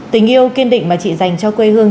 tình yêu kiên định mà chị dành cho quê hương